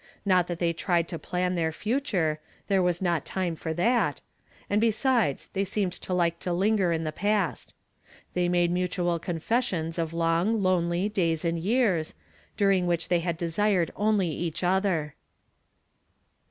Not that they tried to plan their future, there was not time for that ; and, besides, they seemed to like to linger in the past. They made mutual confessions of long, lonely days and years, during which they had desired only each other.